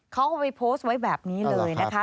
เขาเอาไปโพสต์ไว้แบบนี้เลยนะคะ